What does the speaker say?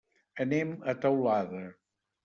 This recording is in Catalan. Anem a Teulada.